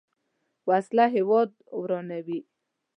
وسله هیواد ورانوي